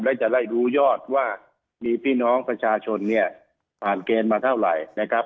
และจะได้รู้ยอดว่ามีพี่น้องประชาชนเนี่ยผ่านเกณฑ์มาเท่าไหร่นะครับ